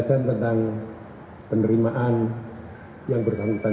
buat permeteran yang terhadap